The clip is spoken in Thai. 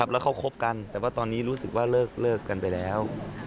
แล้วเขาคบกันแต่ว่าตอนนี้รู้สึกว่าเลิกกันไปแล้ว